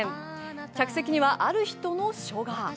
客室にはある人の書が。